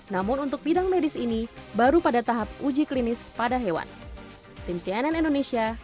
namun untuk bidang medis ini baru pada tahap uji klinis pada hewan